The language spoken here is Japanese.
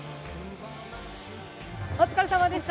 お疲れさまでした。